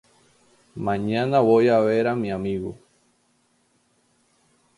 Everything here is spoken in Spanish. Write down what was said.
Mañana voy a ver a mi amigo.